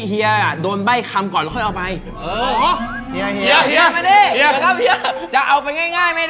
เฮียโตนไปคำก่อนก็ได้ไหน